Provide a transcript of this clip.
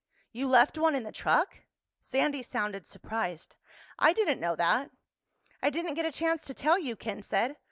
"You left one in the truck?" Sandy sounded surprised. "I didn't know that." "I didn't get a chance to tell you," Ken said.